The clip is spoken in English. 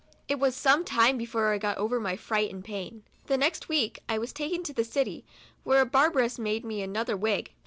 It was some time before I got over my fright and pain. The next week I was taken to the city, where a barberess made me another wig.